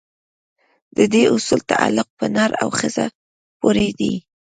د دې اصول تعلق په نر او ښځې پورې دی.